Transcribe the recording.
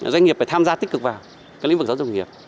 doanh nghiệp phải tham gia tích cực vào lĩnh vực giáo dục nghiệp